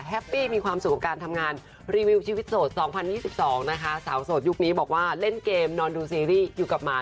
ปี้มีความสุขกับการทำงานรีวิวชีวิตโสด๒๐๒๒นะคะสาวโสดยุคนี้บอกว่าเล่นเกมนอนดูซีรีส์อยู่กับหมา